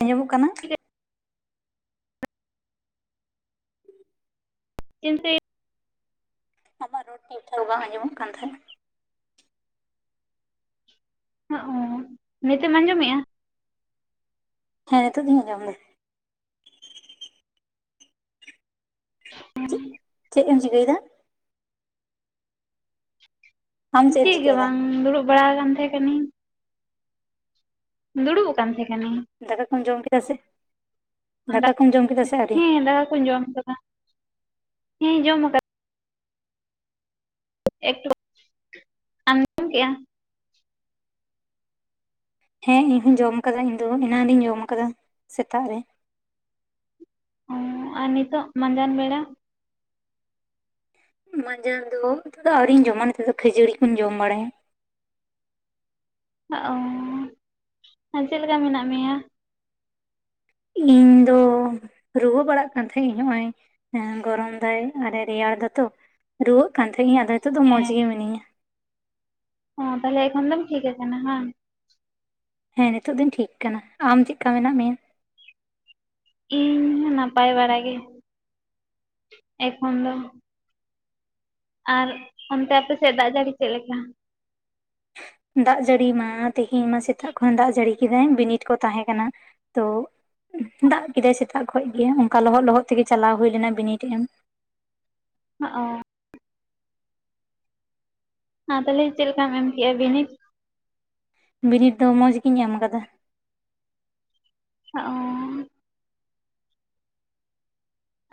ᱟᱸᱡᱚᱢᱚᱜ ᱠᱟᱱᱟ? ᱮᱱᱛᱮ ᱟᱢᱟᱜ ᱨᱚᱲ ᱫᱚ ᱴᱷᱤᱠ-ᱴᱷᱟᱠ ᱵᱟᱝ ᱟᱸᱡᱚᱢᱚᱜ ᱠᱟᱱ ᱛᱟᱦᱮᱱᱟ᱾ ᱦᱚᱸᱜ-ᱚ ᱱᱤᱛᱮᱢ ᱟᱸᱡᱚᱢᱮᱜᱼᱟ? ᱦᱮᱸ ᱱᱤᱛᱚᱜ ᱫᱩᱧ ᱟᱸᱚᱢ ᱮᱫᱟ᱾ ᱪᱮᱫ ᱦᱩᱸ ᱪᱮᱫ ᱮᱢ ᱪᱤᱠᱟᱹᱭᱮᱫᱟ? ᱟᱢ ᱪᱮᱫ ᱮᱢ ᱜᱮ ᱪᱤᱠᱟᱹᱭᱮᱫᱟ ᱵᱟᱝ ᱫᱩᱲᱩᱵ ᱵᱟᱲᱟ ᱟᱠᱟᱱ ᱛᱟᱦᱮᱸ ᱠᱟᱱᱤᱧ ᱫᱩᱲᱩᱵ ᱟᱠᱟᱱ ᱛᱟᱦᱮᱸ ᱠᱟᱱᱤᱧ ᱫᱟᱠᱟ ᱠᱚᱢ ᱡᱚᱢ ᱠᱮᱫᱟ ᱥᱮ ᱫᱟᱠᱟ [unintelligible] ᱠᱚᱢ ᱡᱚᱢ ᱠᱮᱫᱟ ᱥᱮ ᱟᱹᱣᱨᱤ ᱦᱮᱸ ᱫᱟᱠᱟ ᱠᱚᱧ ᱡᱚᱢᱫᱟ᱾ [unintelligible] ᱦᱮᱸ ᱡᱚᱢ ᱠᱟᱫᱟ᱾ ᱮᱠᱴᱩ ᱟᱢ ᱡᱚᱢ ᱠᱮᱜ-ᱟ? ᱦᱮᱸ ᱤᱧ ᱦᱚᱸᱧ ᱡᱚᱢ ᱟᱠᱟᱫᱟ ᱤᱧ ᱫᱚ ᱮᱱᱟᱱ ᱨᱤᱧ ᱡᱚᱢ ᱠᱟᱫᱟ ᱥᱮᱛᱟᱜ ᱨᱮ ᱾ ᱚ, ᱟᱨ ᱱᱤᱛᱚᱜ ᱢᱟᱸᱡᱟᱱ ᱵᱮᱲᱟ? ᱢᱟᱡᱟᱱ ᱫᱚ ᱱᱤᱛᱚᱜ ᱫᱚ ᱟᱹᱣᱨᱤᱧ ᱡᱚᱢᱟ ᱱᱤᱛᱚᱜ ᱫᱚ ᱠᱷᱟᱹᱡᱟᱹᱲᱤ ᱠᱚᱧ ᱡᱚᱢ ᱵᱟᱲᱟᱭᱟ ᱾ ᱚ, ᱟᱨ ᱪᱮᱫ ᱞᱮᱠᱟ ᱢᱮᱱᱟᱜ ᱢᱮᱭᱟ? ᱤᱧ ᱫᱚ, ᱨᱩᱣᱟᱹ ᱵᱟᱲᱟᱜ ᱠᱟᱱ ᱛᱟᱦᱮᱸᱜ ᱤᱧ ᱦᱚᱜᱼ ᱚᱭ ᱦᱮᱸ ᱜᱚᱨᱚᱢ ᱫᱟᱭ ᱟᱨᱮ ᱨᱮᱭᱟᱲ ᱫᱟᱛᱚ ᱨᱩᱣᱟᱹᱜ ᱠᱟᱱ ᱛᱟᱦᱮᱸᱜ ᱤᱧ ᱟᱫᱚ ᱦᱤᱛᱚᱜ ᱫᱚ ᱢᱚᱸᱡᱽ ᱦᱮᱸ ᱜᱮ ᱢᱤᱱᱟᱹᱧᱟ᱾ ᱚ ᱛᱟᱦᱚᱞᱮ ᱮᱠᱷᱚᱱ ᱫᱚᱢ ᱴᱷᱤᱠ ᱟᱠᱟᱱᱟ ᱦᱟᱝ ᱾ ᱦᱮᱸ ᱱᱤᱛᱚᱜ ᱫᱚᱧ ᱴᱷᱤᱠ ᱠᱟᱱᱟ ᱾ ᱟᱢ ᱪᱮᱫ ᱞᱮᱠᱟ ᱢᱮᱱᱟᱜ ᱢᱮᱭᱟ? ᱤᱧ ᱦᱚᱸ ᱱᱟᱯᱟᱭ ᱵᱟᱲᱟ ᱜᱮ, ᱮᱠᱷᱚᱱ ᱫᱚ ᱾ ᱟᱨ ᱚᱱᱛᱮ ᱟᱯᱮ ᱥᱮᱫ ᱫᱟᱜ ᱡᱟᱹᱲᱤ ᱪᱮᱫ ᱞᱮᱠᱟ? ᱫᱟᱜ ᱡᱟᱹᱲᱤ ᱢᱟ ᱛᱮᱦᱮᱧ ᱢᱟ ᱥᱮᱛᱟᱜ ᱠᱷᱚᱱ ᱫᱟᱜ ᱡᱟᱹᱲᱤ ᱠᱮᱫᱟᱭ ᱵᱤᱱᱤᱰ ᱠᱚ ᱛᱟᱦᱮᱸ ᱠᱟᱱᱟ ᱛᱚ ᱫᱟᱜ ᱠᱮᱫᱟᱭ ᱥᱮᱛᱟᱜ ᱠᱷᱚᱡ ᱜᱮ, ᱚᱱᱠᱟ ᱞᱚᱦᱚᱫ ᱞᱚᱦᱚᱫ ᱛᱮᱜᱮ ᱪᱟᱞᱟᱣ ᱦᱩᱭ ᱞᱮᱱᱟ ᱵᱤᱱᱤᱰ ᱮᱢ ᱾ ᱦᱚᱸᱜ ᱚ ᱾ ᱟᱨ ᱛᱟᱦᱚᱞᱮ ᱪᱮᱫ ᱞᱮᱠᱟᱢ ᱮᱢ ᱠᱮᱜᱼᱟ ᱵᱤᱱᱤᱰ? ᱵᱤᱱᱤᱰ ᱫᱚ ᱢᱚᱸᱡᱽ ᱜᱤᱧ ᱮᱢ ᱠᱟᱫᱟ ᱾ ᱚ ᱾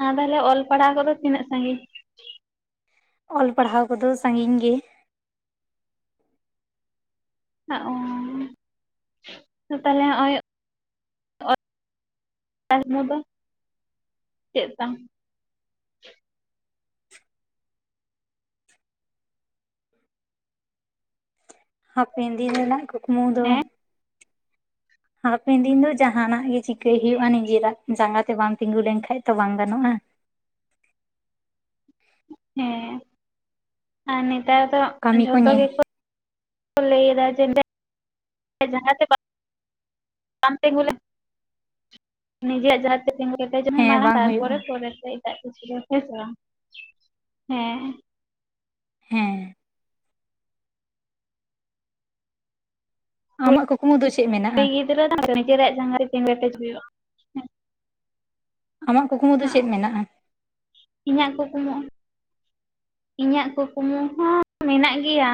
ᱟ ᱛᱟᱦᱚᱞᱮ ᱚᱞ ᱯᱟᱲᱦᱟᱣ ᱠᱚᱫᱚ ᱛᱤᱱᱟᱹᱜ ᱥᱟᱹᱜᱤᱧ? ᱚᱞ ᱯᱟᱲᱦᱟᱣ ᱠᱚᱫᱚ ᱥᱟᱹᱜᱤᱧ ᱜᱮ ᱾ ᱚ, ᱛᱟᱦᱚᱞᱮ ᱦᱚᱜᱼᱚᱭ [unintelligible] ᱫᱚ ᱪᱮᱫ ᱛᱟᱢ? ᱦᱟᱯᱮᱱ ᱫᱤᱱ ᱨᱮᱱᱟᱜ ᱠᱩᱠᱢᱩ ᱫᱚ ᱦᱮᱸ ᱦᱟᱯᱮᱱ ᱫᱤᱱ ᱫᱚ ᱡᱟᱦᱟᱸᱱᱟᱜ ᱜᱮ ᱪᱤᱠᱟᱹᱭ ᱦᱩᱭᱩᱜᱼᱟ ᱱᱤᱡᱮᱨᱟᱜ ᱡᱟᱸᱜᱟ ᱛᱮ ᱵᱟᱢ ᱛᱤᱜᱩ ᱞᱮᱱᱠᱷᱟᱡ ᱛᱚ ᱵᱟᱝ ᱜᱟᱱᱚᱜᱼᱟ᱾ ᱦᱮᱸ, ᱟᱨ ᱱᱮᱛᱟᱨ ᱫᱚ ᱠᱟᱹᱢᱤ ᱠᱚ ᱡᱷᱚᱛᱚ ᱧᱮᱞ ᱜᱮᱠᱚ ᱞᱟᱹᱭᱮᱫᱟ ᱡᱮ [unintelligible] ᱡᱟᱸᱜᱟ ᱛᱮ ᱵᱟᱢ ᱛᱤᱸᱜᱩ ᱞᱮᱱ [unintelligible] ᱱᱤᱡᱮᱨᱟᱜ ᱡᱟᱸᱜᱟ ᱛᱸᱤᱜᱩ ᱠᱮᱡᱮᱡ ᱢᱮ ᱦᱮᱸ ᱢᱟᱲᱟᱝ ᱵᱟᱝ ᱦᱩᱭᱩᱜᱼᱟ ᱛᱟᱨᱯᱚᱨᱮ ᱯᱚᱨᱮ ᱛᱮ ᱮᱴᱟᱜ ᱠᱤᱪᱷᱩ ᱫᱚ ᱦᱮᱸ ᱥᱮ ᱵᱟᱝ? ᱦᱮᱸ ᱾ ᱦᱮᱸ ᱾ ᱟᱢᱟᱜ ᱠᱩᱲᱤ ᱠᱩᱠᱢᱩ ᱫᱚ ᱪᱮᱫ ᱢᱮᱱᱟᱜᱼᱟ? [unintelligible] ᱱᱤᱡᱮᱨᱟᱜ ᱡᱟᱸᱜᱟ ᱨᱮ ᱛᱤᱸᱜᱩ ᱠᱮᱴᱮᱡ ᱦᱩᱭᱩᱜᱼᱟ᱾ ᱟᱢᱟᱜ ᱠᱩᱠᱢᱩ ᱫᱚ ᱪᱮᱫ ᱢᱮᱱᱟᱜᱼᱟ? ᱤᱧᱟᱹᱜ ᱠᱩᱠᱢᱩ ᱤᱧᱟᱹᱜ ᱠᱩᱠᱢᱩ ᱦᱚᱸ ᱢᱮᱱᱟᱜ ᱜᱮᱭᱟ,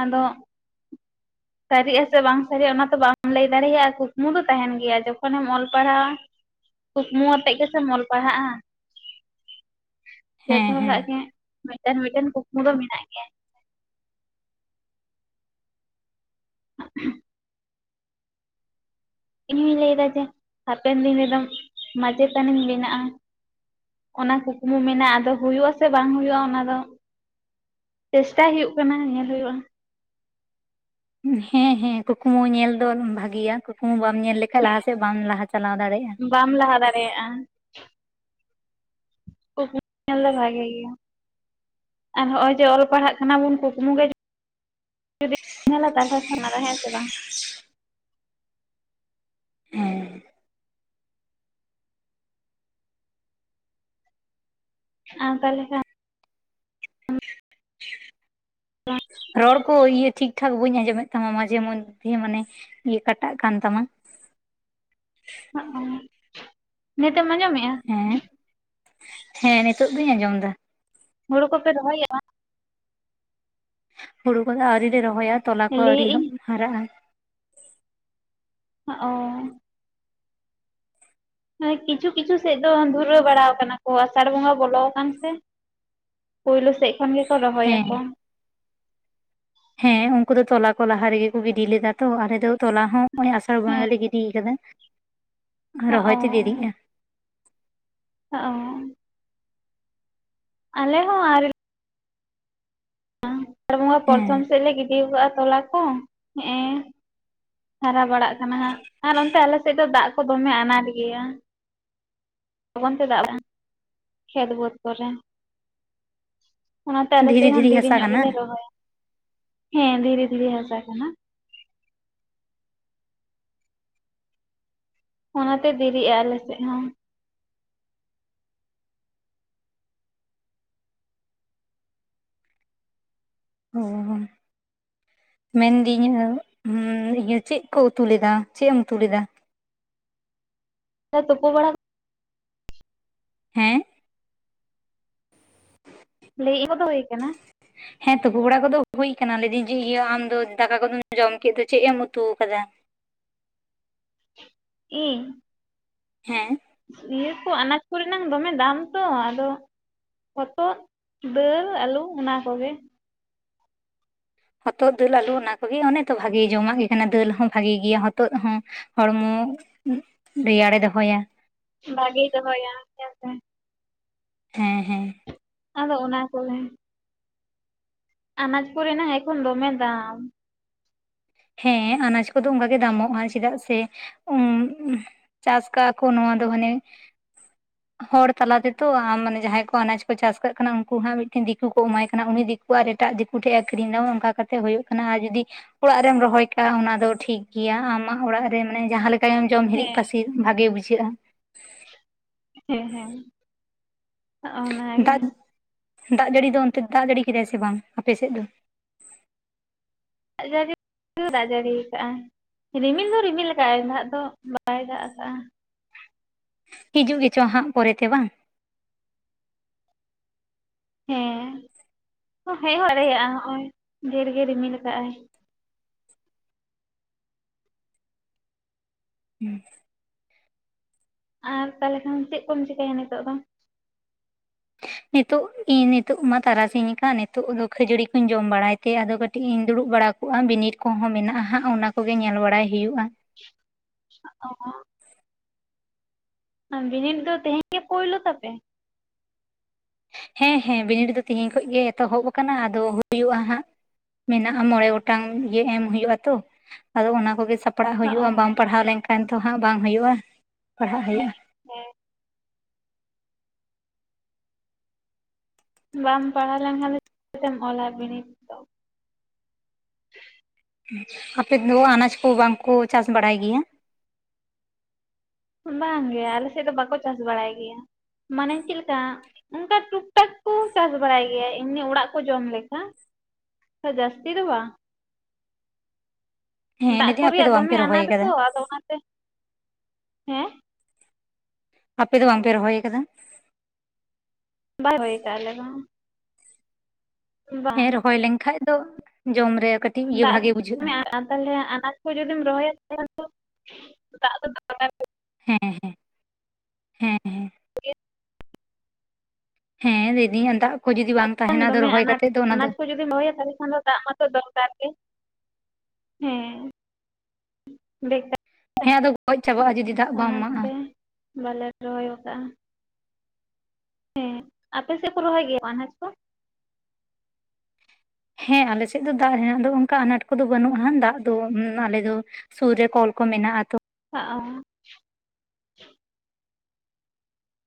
ᱟᱫᱚ ᱥᱟᱹᱨᱤᱜ ᱟ ᱥᱮ ᱵᱟᱝ ᱥᱟᱹᱨᱤᱜᱼᱟ ᱚᱱᱟ ᱛᱚ ᱵᱟᱢ ᱞᱟᱹᱭ ᱫᱟᱲᱮᱭᱟᱜᱼᱟ ᱠᱩᱠᱢᱩ ᱫᱚ ᱛᱟᱦᱮᱱ ᱜᱮᱭᱟ ᱡᱚᱠᱷᱚᱱᱮᱢ ᱚᱞ ᱯᱟᱲᱦᱟᱣᱟ ᱠᱩᱠᱢᱩ ᱟᱛᱮᱜ ᱜᱮᱥᱮᱢ ᱚᱞ ᱯᱟᱲᱦᱟᱜᱼᱟ᱾ ᱦᱮᱸ ᱡᱚᱛᱚ ᱦᱮᱸ ᱦᱚᱲᱟᱜ ᱜᱮ ᱢᱤᱫᱴᱮᱱ ᱢᱤᱫᱴᱮᱱ ᱠᱩᱠᱢᱩ ᱫᱚ ᱢᱮᱱᱟᱜ ᱜᱮᱭᱟ ᱾ [inaudible] ᱤᱧ ᱦᱩᱧ ᱞᱟᱹᱭ ᱮᱫᱟ ᱡᱮ ᱦᱟᱯᱮᱱ ᱫᱤᱱ ᱨᱮᱫᱚ ᱢᱟᱪᱮᱛᱟᱱᱤᱧ ᱵᱮᱱᱟᱜᱼᱟ ᱾ ᱚᱱᱟ ᱠᱩᱠᱢᱩ ᱢᱮᱱᱟᱜᱼᱟ ᱟᱫᱚ ᱦᱩᱭᱩᱜ ᱟᱥᱮ ᱵᱟᱝ ᱦᱩᱭᱩᱜᱼᱟ ᱚᱱᱟ ᱫᱚ ᱪᱮᱥᱴᱟᱭ ᱦᱩᱭᱩᱜ ᱠᱟᱱᱟ ᱧᱮᱞ ᱦᱩᱭᱩᱜᱼᱟ ᱾ ᱦᱮᱸ ᱦᱮᱸ ᱠᱩᱠᱢᱩ ᱧᱮᱞ ᱫᱚ ᱵᱷᱟᱜᱮᱭᱟ, ᱠᱩᱠᱢᱩ ᱵᱟᱢ ᱧᱮᱞ ᱞᱮ ᱠᱷᱟᱡ ᱦᱮᱸ ᱞᱟᱦᱟ ᱥᱮᱜ ᱵᱟᱢ ᱞᱟᱦᱟ ᱪᱟᱞᱟᱣ ᱫᱟᱲᱮᱜᱼᱟ ᱾ ᱵᱟᱢ ᱞᱟᱦᱟ ᱫᱟᱲᱮᱭᱟᱜᱼᱟ ᱾ ᱠᱩᱠᱢᱩ ᱧᱮᱞ ᱫᱚ ᱵᱷᱟᱜᱮ ᱜᱮᱭᱟ ᱾ ᱟᱨ ᱦᱚᱸᱜᱼᱚᱭ ᱡᱮ ᱚᱞ ᱯᱟᱲᱦᱟᱜ ᱠᱟᱱᱟ ᱵᱩᱱ ᱠᱩᱠᱢᱩ ᱜᱮ ᱡᱩᱫᱤ [unintelligible] ᱧᱮᱞᱟ ᱛᱟᱦᱞᱮ ᱠᱷᱟᱱ ᱟᱫᱚ ᱦᱮᱸ ᱥᱮ ᱵᱟᱝ? ᱦᱮᱸ ᱟᱨ ᱛᱟᱦᱞᱮ ᱠᱷᱟᱱ ᱨᱚᱲ ᱠᱚ ᱤᱭᱟᱹ ᱴᱷᱤᱠ ᱴᱷᱟᱠ ᱵᱟᱹᱧ ᱟᱸᱡᱚᱢᱮᱫ ᱛᱟᱢᱟ ᱢᱟᱡᱷᱮ ᱢᱚᱫᱽᱫᱷᱮ ᱢᱟᱱᱮ ᱤᱭᱟᱹ ᱠᱟᱴᱟᱜ ᱠᱟᱱ ᱛᱟᱢᱟ ᱾ [unintelligible] ᱱᱤᱛ ᱮᱢ ᱟᱸᱡᱚᱢᱮᱜᱼᱟ? ᱦᱮᱸ, ᱦᱮᱸ ᱱᱤᱛᱚᱜ ᱫᱩᱧ ᱟᱸᱡᱚᱢ ᱫᱟ ᱾ ᱦᱩᱲᱩ ᱠᱚᱯᱮ ᱨᱚᱦᱚᱭ [unintelligible] ᱦᱩᱲᱩ ᱠᱚᱫᱚ ᱟᱣᱨᱤ ᱞᱮ ᱨᱚᱦᱚᱭᱟ, ᱛᱚᱞᱟ ᱠᱚ ᱵᱟᱝ ᱟᱹᱣᱨᱤ ᱞᱟᱹᱭᱮᱜ ᱦᱟᱸᱜ ᱟᱹᱧ ᱦᱟᱨᱟᱜᱼᱟ ᱾ ᱚᱻ ᱾ ᱠᱤᱪᱷᱩ ᱠᱤᱪᱷᱩ ᱥᱮᱫ ᱫᱚ ᱫᱷᱩᱨᱟᱹᱣ ᱵᱟᱲᱟ ᱟᱠᱟᱱᱟ ᱠᱚ ᱟᱥᱟᱲ ᱵᱚᱸᱜᱟ ᱵᱚᱞᱚ ᱟᱠᱟᱱ ᱥᱮ ᱯᱳᱭᱞᱳ ᱥᱮᱫ ᱠᱷᱚᱱ ᱜᱮᱠᱚ ᱨᱚᱦᱚᱭ ᱦᱮᱸ ᱟᱠᱚ ᱾ ᱦᱮᱸ ᱩᱱᱠᱩ ᱫᱚ ᱛᱚᱞᱟ ᱠᱚ ᱞᱟᱦᱟ ᱨᱮᱜᱮ ᱠᱚ ᱜᱤᱰᱤ ᱞᱮᱫᱟ ᱛᱚ, ᱟᱞᱮ ᱫᱚ ᱛᱚᱞᱟ ᱦᱚᱸ ᱚᱱᱮ ᱟᱥᱟᱲ ᱵᱚᱸᱜᱟᱞᱮ ᱜᱤᱰᱤᱭ ᱠᱟᱫᱟ, ᱚ ᱨᱚᱦᱚᱭ ᱛᱮ ᱫᱮᱨᱤᱜᱼᱟ ᱾ ᱚᱻ ᱾ ᱟᱞᱮ ᱦᱚᱸ ᱟᱹᱣᱨᱤ ᱟᱥᱟᱲ ᱵᱚᱸᱜᱟ ᱦᱮᱸ ᱯᱚᱨᱛᱷᱚᱢ ᱥᱮᱫ ᱞᱮ ᱜᱤᱰᱤᱭ ᱠᱟᱜᱼᱟ ᱛᱚᱞᱟ ᱠᱚ ᱦᱮᱸᱜᱼᱮ ᱦᱟᱨᱟ ᱵᱟᱲᱟᱜ ᱠᱟᱱᱟ ᱦᱟᱸᱜ ᱟᱨ ᱚᱱᱛᱮ ᱟᱞᱮ ᱥᱮᱫ ᱫᱚ ᱫᱟᱜ ᱠᱚ ᱫᱚᱢᱮ ᱟᱱᱟᱴ ᱜᱮᱭᱟ ᱾ ᱞᱚᱜᱚᱱ ᱛᱮ ᱫᱟᱜ ᱵᱟᱝ [unintelligible] ᱠᱷᱮᱛ ᱵᱟᱹᱫᱽ ᱠᱚᱨᱮ ᱾ ᱚᱱᱟᱛᱮ ᱟᱞᱮ ᱫᱷᱤᱨᱤ ᱥᱮᱜ ᱦᱚᱸ ᱫᱷᱤᱨᱤ ᱫᱤᱨᱤ ᱦᱟᱥᱟ ᱧᱚᱜ ᱠᱟᱱᱟ ᱜᱮᱞᱮ ᱨᱚᱦᱚᱭᱟ ᱾ ᱦᱮᱸ ᱫᱷᱤᱨᱤ ᱫᱷᱤᱨᱤ ᱦᱟᱥᱟ ᱠᱟᱱᱟ ᱾ ᱚᱱᱟ ᱛᱮ ᱫᱮᱨᱤᱜᱼᱟ ᱟᱞᱮ ᱥᱮᱜ ᱦᱚᱸ ᱾ ᱚ ᱾ ᱢᱮᱱᱫᱤᱧ ᱦᱩᱸ ᱤᱭᱟᱹ ᱪᱮᱫ ᱠᱩ ᱩᱛᱩ ᱞᱮᱫᱟ? ᱪᱮᱫ ᱮᱢ ᱩᱛᱩ ᱞᱮᱫᱟ? ᱛᱳᱯᱳ ᱵᱟᱲᱟ ᱦᱮᱸ ᱞᱟᱹᱭ [unintelligible] ᱫᱚ ᱦᱩᱭ ᱠᱟᱱᱟ ᱾ ᱦᱮᱸ ᱛᱩᱯᱩ ᱵᱟᱲᱟ ᱠᱚᱫᱚ ᱦᱩᱭ ᱠᱟᱱᱟ ᱞᱟᱹᱭ ᱫᱟᱹᱧ ᱡᱮ ᱤᱭᱟᱹ ᱟᱢᱫᱚ ᱫᱟᱠᱟ ᱠᱚᱫᱚᱢ ᱡᱚᱢ ᱠᱮᱫ ᱫᱚ ᱪᱮᱫ ᱮᱢ ᱩᱛᱩᱣ ᱠᱟᱫᱟ? ᱤᱧ? ᱦᱮᱸ ᱾ ᱤᱭᱟᱹ ᱠᱚ, ᱟᱱᱟᱡᱽ ᱠᱚᱨᱮᱱᱟᱝ ᱫᱚᱢᱮ ᱫᱟᱢ ᱛᱚ ᱟᱫᱚ ᱦᱚᱛᱚᱫ, ᱫᱟᱹᱞ, ᱟᱹᱞᱩ ᱚᱱᱟ ᱠᱚᱜᱮ ᱾ ᱦᱚᱛᱚᱫ, ᱫᱟᱹᱞ, ᱟᱹᱞᱩ ᱚᱱᱟ ᱠᱚᱜᱮ ᱚᱱᱮ ᱛᱚ ᱵᱷᱟᱜᱮ ᱡᱚᱢᱟᱜ ᱜᱮ ᱠᱟᱱᱟ ᱫᱟᱹᱞ ᱦᱚᱸ ᱵᱷᱟᱜᱮ ᱜᱮᱭᱟ, ᱦᱚᱛᱚᱫ ᱦᱚᱸ ᱦᱚᱲᱢᱚ ᱨᱮᱭᱟᱲᱮ ᱫᱚᱦᱚᱭᱟ ᱾ ᱵᱷᱟᱜᱮᱹ ᱫᱚᱦᱚᱭᱟ ᱦᱮᱸ ᱥᱮ ᱾ ᱦᱮᱸ ᱦᱮᱸ ᱾ ᱟᱫᱚ ᱚᱱᱟ ᱠᱚᱜᱮ ᱾ ᱟᱱᱟᱡ ᱠᱚᱨᱮᱱᱟᱝ ᱮᱠᱷᱚᱱ ᱫᱚᱢᱮ ᱫᱟᱢ ᱾ ᱦᱮᱸ ᱟᱱᱟᱡ ᱠᱚᱫᱚ ᱚᱝᱠᱟ ᱜᱮ ᱫᱟᱢᱚᱜᱼᱟ, ᱪᱮᱫᱟᱜ ᱥᱮ ᱩᱸ ᱪᱟᱥ ᱠᱟᱜᱼᱟ ᱠᱚ ᱱᱚᱣᱟ ᱫᱚ ᱢᱟᱱᱮ [unintelligible] ᱦᱚᱲ ᱛᱟᱞᱟ ᱛᱮᱛᱚ ᱟᱢ ᱢᱟᱱᱮ ᱡᱟᱸᱦᱟᱸᱭ ᱠᱚ ᱟᱱᱟᱡ ᱠᱚ ᱪᱟᱥ ᱠᱟᱜ ᱠᱟᱱᱟ ᱩᱱᱠᱩ ᱦᱟᱸᱜ ᱢᱤᱫᱴᱮᱱ ᱫᱤᱠᱩ ᱠᱚ ᱮᱢᱟᱭ ᱠᱟᱱᱟ ᱩᱱᱤ ᱫᱤᱠ ᱟᱠᱣᱟᱜ ᱟᱨᱚ ᱮᱴᱟᱜ ᱫᱤᱠᱩ ᱴᱷᱮᱡ ᱮ ᱟᱠᱷᱨᱤᱧ ᱫᱟ ᱚᱱᱠᱟ ᱠᱟᱛᱮ ᱦᱩᱭᱩᱜ ᱠᱟᱱᱟ ᱟᱨ ᱡᱩᱫᱤ ᱚᱲᱟᱜ ᱨᱮᱢ ᱨᱚᱦᱚᱭ ᱠᱟᱜ-ᱟ ᱚᱱᱟ ᱫᱚ ᱴᱷᱤᱠ ᱜᱮᱭᱟ ᱟᱢᱟᱜ ᱚᱲᱟᱜ ᱨᱮ ᱢᱟᱱᱮ ᱡᱟᱦᱟᱸ ᱞᱮᱠᱟ ᱜᱮᱢ ᱡᱚᱢ ᱦᱤᱨᱤᱡ ᱦᱮᱸ ᱯᱟᱥᱤ ᱵᱷᱟᱜᱮ ᱵᱩᱡᱷᱟᱹᱜ-ᱟ ᱾ ᱦᱮᱸ ᱦᱮᱸ ᱾ ᱫᱟᱜ, ᱫᱟᱜ ᱡᱟᱹᱲᱤ ᱫᱚ ᱚᱱᱛᱮ ᱫᱟᱜ ᱡᱟᱹᱲᱤ ᱠᱮᱫᱟᱭ ᱥᱮ ᱵᱟᱝ ᱟᱯᱮ ᱥᱮᱫ ᱫᱚ? ᱫᱟᱜ ᱡᱟᱹᱲᱤ [inaudible] ᱫᱟᱜ ᱡᱟᱹᱲᱤ ᱟᱠᱟᱜ-ᱟ ᱾ ᱨᱤᱢᱤᱞ ᱫᱚ ᱨᱤᱢᱤᱞ ᱟᱠᱟᱜ ᱟᱭ ᱫᱟᱜ ᱫᱚ ᱵᱟᱭ ᱫᱟᱜ ᱠᱟᱜ-ᱟ ᱾ ᱦᱤᱡᱩᱜ ᱜᱮᱪᱚ ᱦᱟᱸᱜ ᱯᱚᱨᱮᱛᱮ ᱵᱟᱝ? ᱦᱮᱸ ᱦᱮᱡ ᱦᱚᱸ ᱫᱟᱲᱮᱭᱟᱜ-ᱟ, ᱦᱚᱜ-ᱚᱭ ᱰᱷᱮᱨ ᱜᱮ ᱨᱤᱢᱤᱞ ᱟᱠᱟᱜ-ᱟᱭ ᱾ ᱦᱩᱸ ᱾ ᱟᱨ ᱛᱟᱦᱚᱞᱮ ᱠᱷᱟᱱ ᱪᱮᱫ ᱠᱚᱢ ᱪᱤᱠᱟᱹᱭᱟ ᱱᱤᱛᱚᱜ ᱫᱚ? ᱱᱤᱛᱚᱜ ᱤᱧ ᱱᱤᱛᱚᱜ ᱢᱟ ᱛᱟᱨᱟᱥᱤᱧ ᱟᱠᱟᱱ ᱱᱤᱛᱳᱜ ᱫᱚ ᱠᱷᱟᱹᱡᱟᱹᱲᱤ ᱠᱚᱧ ᱡᱚᱢ ᱵᱟᱲᱟᱭ ᱛᱮ ᱟᱫᱚ ᱠᱟᱹᱴᱤᱡ ᱤᱧ ᱫᱩᱲᱩᱵ ᱵᱟᱲᱟ ᱠᱚᱜ-ᱟ, ᱵᱤᱱᱤᱰ ᱠᱚᱦᱚᱸ ᱢᱮᱱᱟᱜ-ᱟ ᱦᱟᱸᱜ ᱚᱱᱟ ᱠᱚᱜᱮ ᱧᱮᱞ ᱵᱟᱲᱟᱭ ᱦᱩᱭᱩᱜ-ᱟ ᱾ [inaudible] ᱚ ᱾ [unintelligible] ᱵᱤᱱᱤᱰ ᱫᱚ ᱛᱮᱦᱮᱧ ᱜᱮ ᱯᱳᱭᱞᱳ ᱛᱟᱯᱮ? ᱦᱮᱸ ᱦᱮᱸ ᱵᱤᱱᱤᱰ ᱫᱚ ᱛᱤᱦᱤᱧ ᱠᱷᱚᱡ ᱜᱮ ᱮᱛᱚᱦᱚᱵ ᱟᱠᱟᱱᱟ, ᱟᱫᱚ ᱦᱩᱭᱩᱜᱼᱟ ᱦᱟᱸᱜ᱾ ᱢᱮᱱᱟᱜᱼᱟ ᱢᱚᱬᱮ ᱜᱚᱴᱟᱝ ᱤᱭᱟᱹ ᱮᱢ ᱦᱳᱭᱳᱜ-ᱟ ᱛᱚ ᱟᱫᱚ ᱚᱱᱟ ᱠᱚᱜᱮ ᱥᱟᱯ ᱯᱟᱲᱟᱜ ᱚ ᱦᱩᱭᱩᱜᱼᱟ ᱵᱟᱢ ᱯᱟᱲᱦᱟᱣ ᱞᱮᱱᱠᱷᱟᱱ ᱫᱚ ᱦᱟᱸᱜ ᱵᱟᱝ ᱦᱩᱭᱩᱜᱼᱟ, ᱯᱟᱲᱦᱟᱜ ᱦᱩᱭᱩᱜᱼᱟ᱾ ᱦᱮᱸ ᱦᱮᱸ᱾ ᱵᱟᱢ ᱯᱟᱲᱦᱟᱣ ᱞᱮᱱᱠᱷᱟᱱ ᱫᱚ [inaudible] ᱛᱮᱢ ᱚᱞᱟ ᱵᱤᱱᱤᱰ᱾ ᱫᱚ [inaudible] ᱟᱯᱮ ᱦᱟᱹᱣᱟ ᱟᱱᱟᱪ ᱠᱚ ᱵᱟᱝ ᱠᱚ ᱪᱟᱥ ᱵᱟᱲᱟᱭ ᱜᱮᱭᱟ? ᱵᱟᱝ ᱜᱮ ᱟᱞᱮ ᱥᱮᱜ ᱫᱚ ᱵᱟᱠᱚ ᱪᱟᱥ ᱵᱟᱲᱟᱭ ᱜᱮᱭᱟ᱾ ᱢᱟᱱᱮ ᱪᱤᱞᱠᱟ ᱚᱝᱠᱟ ᱴᱩᱠᱼᱴᱟᱠ ᱠᱚ ᱪᱟᱥ ᱵᱟᱲᱟᱭ ᱜᱮᱭᱟ ᱮᱢᱱᱤ ᱚᱲᱟᱜ ᱠᱚ ᱡᱚᱢ ᱞᱮᱠᱷᱟ᱾ ᱛᱚ ᱡᱟᱹᱥᱛᱤ ᱫᱚ ᱵᱟᱝ᱾ ᱦᱮᱸ ᱫᱟᱜ ᱠᱚ ᱞᱟᱹᱭᱫᱟᱹᱧ ᱟᱯᱮ ᱫᱚ ᱨᱮᱭᱟᱜ ᱵᱟᱝᱯᱮ ᱫᱚᱢᱮ ᱨᱚᱦᱚᱭ ᱟᱱᱟᱴ ᱟᱠᱟᱫᱟ ᱛᱚ ᱟᱫᱚ ᱚᱱᱟᱛᱮ᱾ ᱦᱮᱸ᱾ ᱟᱯᱮ ᱫᱚ ᱵᱟᱝᱯᱮ ᱨᱚᱦᱚᱭ ᱠᱟᱫᱟ? ᱵᱟᱭ ᱦᱚᱭ ᱠᱟ ᱟᱞᱮ ᱫᱚ᱾ ᱵᱟᱝ ᱦᱮᱸ ᱨᱚᱦᱚᱭ ᱞᱮᱱᱠᱷᱟᱡ ᱫᱚ ᱡᱚᱢ ᱠᱟᱹ ᱫᱟᱜ [inaudible] ᱛᱟᱦᱚᱞᱮ ᱟᱱᱟᱪ ᱛᱚ ᱡᱩᱫᱤᱢ ᱨᱚᱦᱚᱭ [inaudible] ᱦᱩᱸ-ᱦᱩᱸ, ᱦᱩᱸ-ᱦᱩᱸ᱾ ᱦᱮᱸ ᱞᱟᱹᱭᱫᱤᱧ ᱚᱱ ᱫᱟᱜ ᱠᱚ ᱡᱩᱫᱤ ᱵᱟᱝ ᱛᱟᱦᱮᱱᱟ ᱟᱫᱚ ᱫᱚᱢᱮ ᱨᱚᱦᱚᱭ ᱟᱱᱟᱴ ᱠᱟᱛᱮᱜ ᱫᱚ ᱚᱱᱟ ᱫᱚ [unintelligible] ᱦᱮᱸ [inaudible] ᱦᱮᱸ ᱟᱫᱚ ᱜᱚᱡ ᱪᱟᱵᱟᱜᱼᱟ ᱡᱩᱫᱤ᱾ ᱫᱟᱜ ᱵᱟᱢ ᱚᱱᱟ ᱮᱢᱟᱜᱼᱟ ᱛᱮ ᱵᱟᱞᱮ ᱨᱚᱦᱚᱭ ᱠᱟᱜᱼᱟ᱾ ᱮᱸ ᱟᱯᱮ ᱥᱮᱜ ᱠᱚ ᱨᱚᱦᱚᱭ ᱜᱮᱭᱟ ᱟᱱᱟᱡ ᱠᱚ? ᱦᱮᱸ ᱟᱞᱮ ᱥᱮᱜ ᱫᱚ ᱫᱟᱜ ᱦᱮᱱᱟᱜ ᱫᱚ ᱚᱱᱠᱟ ᱟᱱᱟᱴ ᱠᱚᱫᱚ ᱵᱟᱹᱱᱩᱜᱼᱟ ᱦᱟᱸᱜ ᱫᱟᱜ ᱫᱚ, ᱩᱢ ᱟᱞᱮ ᱫᱚ ᱥᱩᱨ ᱨᱮ ᱠᱚᱞ ᱠᱚ ᱢᱮᱱᱟᱜᱼᱟ ᱛᱚ᱾ ᱟᱸᱼᱟ